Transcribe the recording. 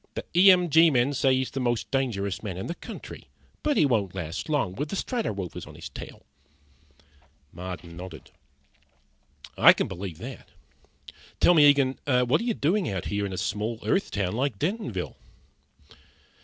"The E M G men say he's the most dangerous man in the country. But he won't last long with the Strato Rovers on his trail." Marden nodded. "I can believe that. Tell me, Eagen, what are you doing out here around a small Earth town like Dentonville?"